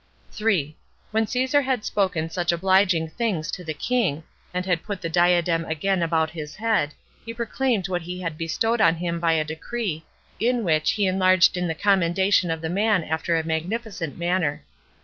3. When Caesar had spoken such obliging things to the king, and had put the diadem again about his head, he proclaimed what he had bestowed on him by a decree, in which he enlarged in the commendation of the man after a magnificent manner.